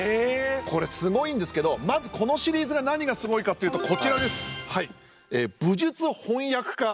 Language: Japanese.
これすごいんですけどまずこのシリーズが何がすごいかっていうとこちらです。